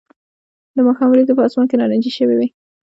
د ماښام وریځې په آسمان کې نارنجي شوې وې